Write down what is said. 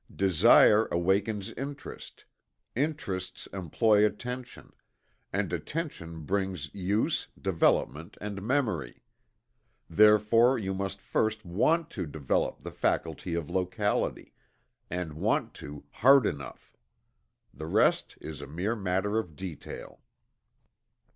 Desire awakens interest; interest employs attention; and attention brings use, development and memory. Therefore you must first want to develop the faculty of Locality and want to "hard enough." The rest is a mere matter of detail.